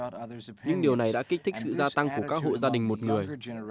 nhưng điều này đã kích thích sự gia tăng của các hộ gia đình một người